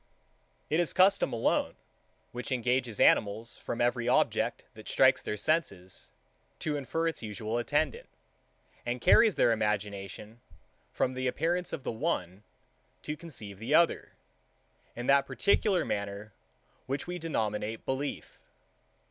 It is custom alone, which engages animals, from every object, that strikes their senses, to infer its usual attendant, and carries their imagination, from the appearance of the one, to conceive the other, in that particular manner, which we denominate belief.